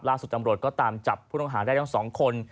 ล่าสุดอำรวจก็ตามจับผู้ต้องหาได้ทั้ง๒คน